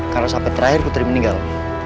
karena sampai terakhir putri meninggal